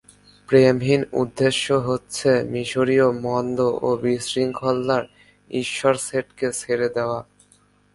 প্রেমহীন উদ্দেশ্য হচ্ছে মিশরীয় মন্দ ও বিশৃঙ্খলার ঈশ্বর সেটকে ছেড়ে দেওয়া।